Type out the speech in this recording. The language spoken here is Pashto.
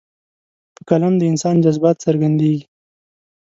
په قلم د انسان جذبات څرګندېږي.